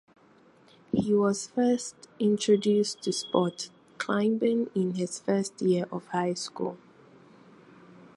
He was first introduced to sport climbing in his first year of high school.